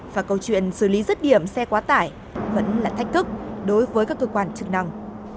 và câu chuyện xử lý rứt điểm xe quá tải vẫn là thách thức đối với các cơ quan chức năng